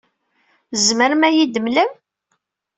Tzemrem ad iyi-d-temlem?